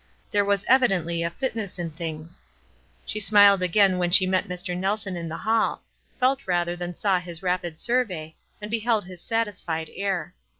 There was evident!} a fitness in things. She smiled again when she met Mr. Nelson in the hall ; felt rather than saw his rapid survey, and beheld his satisfied air.